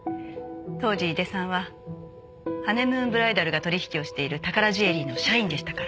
当時井出さんはハネムーンブライダルが取引をしている宝ジュエリーの社員でしたから。